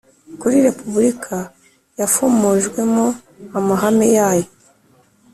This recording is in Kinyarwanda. kuri repubulika yafomojwemo amahame yayo: